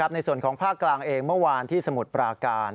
ในส่วนของภาคกลางเองเมื่อวานที่สมุทรปราการ